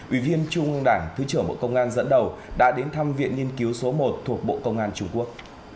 ủy viên trung ương đảng thứ trưởng bộ công an dẫn đầu đã đến thăm viện nghiên cứu số một thuộc bộ công an trung quốc